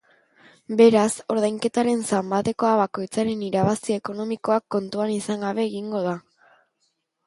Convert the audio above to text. Beraz, ordainketaren zanbatekoa bakoitzaren irabazi ekonomikoak kontuan izan gabe egingo da.